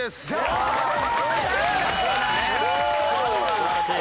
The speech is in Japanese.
素晴らしい。